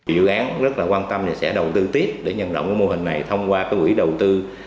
dự án rất là quan tâm sẽ đầu tư tiếp để nhân động cái mô hình này thông qua quỹ đầu tư